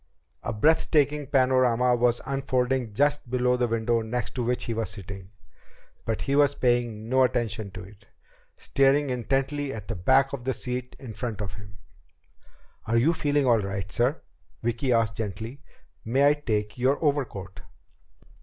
A breath taking panorama was unfolding just below the window next to which he was sitting. But he was paying no attention to it, staring intently at the back of the seat in front of him. "Are you feeling all right, sir?" Vicki asked gently. "May I take your overcoat?"